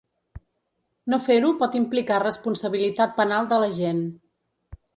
No fer-ho pot implicar responsabilitat penal de l’agent.